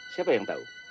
siapa yang tahu